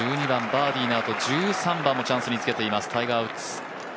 １２番、バーディーのあと１３番もチャンスにつけています。